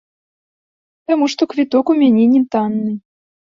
Таму што квіток у мяне не танны.